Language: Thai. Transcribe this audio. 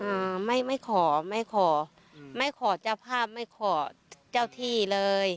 อ่าไม่ไม่ขอไม่ขออืมไม่ขอเจ้าภาพไม่ขอเจ้าที่เลย